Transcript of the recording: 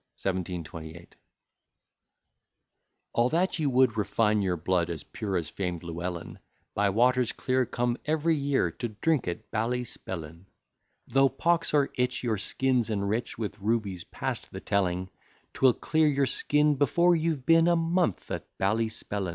1728 All you that would refine your blood, As pure as famed Llewellyn, By waters clear, come every year To drink at Ballyspellin. Though pox or itch your skins enrich With rubies past the telling, 'Twill clear your skin before you've been A month at Ballyspellin.